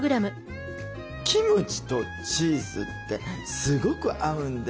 キムチとチーズってすごく合うんですよ。